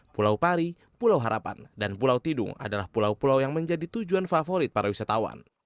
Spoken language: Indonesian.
pulau pari pulau harapan dan pulau tidung adalah pulau pulau yang menjadi tujuan favorit para wisatawan